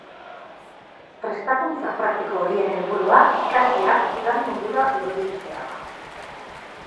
Prestakuntza praktiko horien helburua ikasleak lan mundura hurbiltzea da.